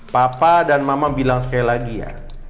papa dan mama bilang sekali lagi ya